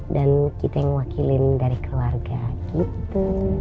dan kita yang wakilin dari keluarga gitu